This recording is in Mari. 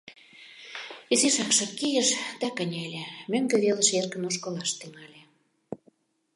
Изишак шып кийыш да кынеле, мӧҥгӧ велыш эркын ошкылаш тӱҥале.